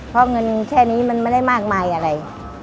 เพราะเงินแค่นี้มันไม่ได้มากมายอะไร